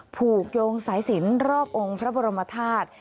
ผูกโยงสายสินรอบองค์พระบรมธาตุ